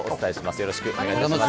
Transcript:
よろしくお願いします。